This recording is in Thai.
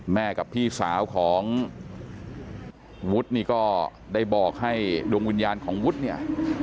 กับพี่สาวของวุฒินี่ก็ได้บอกให้ดวงวิญญาณของวุฒิเนี่ย